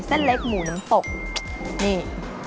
เส้นเล็กหมูน้ำตกนี่